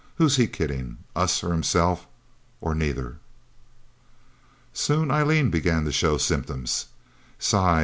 "Who's he kidding us or himself, or neither...?" Soon Eileen began to show symptoms: Sighs.